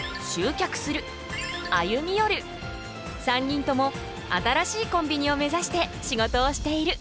３人とも新しいコンビニを目指して仕事をしている。